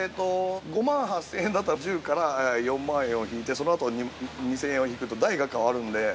５万８０００円だったら１０から４万円を引いてそのあと、２０００円を引くと台が変わるので。